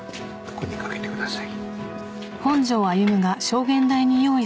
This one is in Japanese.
ここに掛けてください。